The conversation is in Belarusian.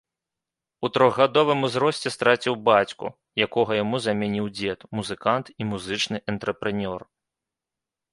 У трохгадовым узросце страціў бацьку, якога яму замяніў дзед, музыкант і музычны антрэпрэнёр.